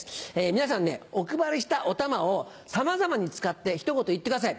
皆さんねお配りしたおたまをさまざまに使ってひと言言ってください。